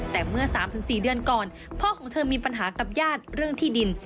แต่เมื่อ๓๔เดือนก่อนพ่อของเธอมีปัญหากับญาติเรื่องที่ดิน